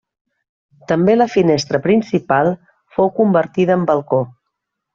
També la finestra principal fou convertida en balcó.